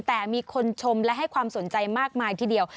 แต่มีคนชมและให้ความสนใจมากมายทีเดียว